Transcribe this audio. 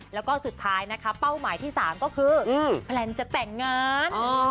แล้วก็สุดท้ายนะคะเป้าหมายที่๓ก็คือแพลนจะแต่งงาน